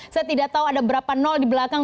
saya tidak tahu ada berapa nol di belakang